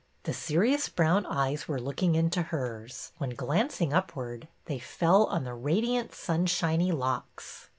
The serious brown eyes were looking into hers, when, glancing upward, they fell on the radiant, sunshiny locks.